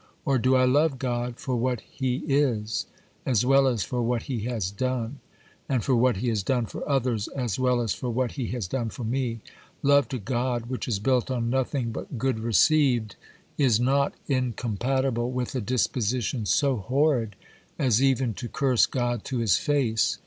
or do I love God for what He is, as well as for what He has done? and for what He has done for others, as well as for what He has done for me? Love to God, which is built on nothing but good received, is not incompatible with a disposition so horrid as even to curse God to His face.